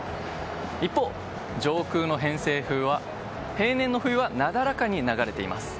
一方、上空の偏西風は平年の冬はなだらかに流れています。